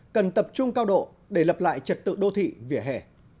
cần tập trung cao độ để lập lại trật tự đô thị vỉa hè